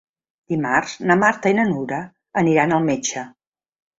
Dimarts na Marta i na Nura aniran al metge.